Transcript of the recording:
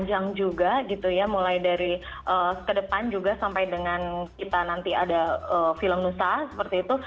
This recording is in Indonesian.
panjang juga gitu ya mulai dari ke depan juga sampai dengan kita nanti ada film nusa seperti itu